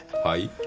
はい？